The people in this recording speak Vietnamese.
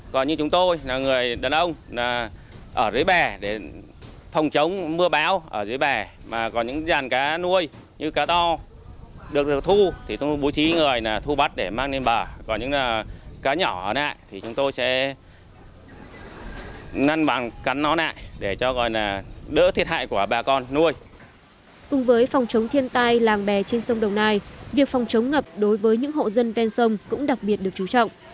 cùng với phòng chống thiên tai làng bè trên sông đồng nai việc phòng chống ngập đối với những hộ dân ven sông cũng đặc biệt được chú trọng